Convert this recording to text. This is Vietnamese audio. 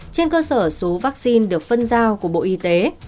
trên cơ sở số vaccine được phân giao của bộ y tế